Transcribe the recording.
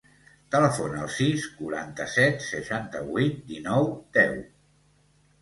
Telefona al sis, quaranta-set, seixanta-vuit, dinou, deu.